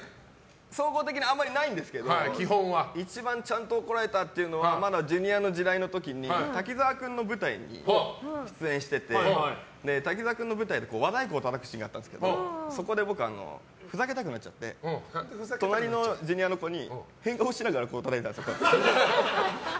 総合的にあまりないんですけど一番ちゃんと怒られたっていうのはまだジュニアの時代の時に滝沢君の舞台に出演してて、滝沢君の舞台で和太鼓をたたくシーンがあったんですけどそこで僕ふざけたくなっちゃって隣のジュニアの子に変顔しながらたたいてたんですよ。